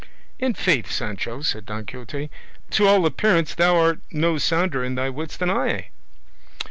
"In faith, Sancho," said Don Quixote, "to all appearance thou art no sounder in thy wits than I."